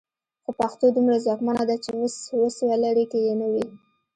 خو پښتو دومره ځواکمنه ده چې وس ولري که یې نه وي.